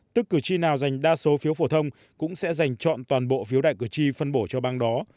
tức cử tri nào dành đa số phiếu phổ thông cũng sẽ dành chọn toàn bộ phiếu đại cử tri phân bổ cho bang đó